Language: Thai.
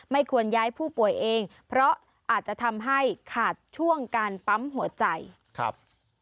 ไม่ควรย้ายผู้ป่วยเองเพราะอาจจะทำให้ขาดช่วงการปั๊มหัวใจครับ